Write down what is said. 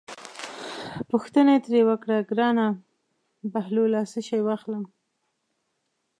پوښتنه یې ترې وکړه: ګرانه بهلوله څه شی واخلم.